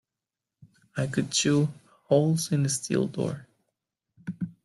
I could chew holes in a steel door.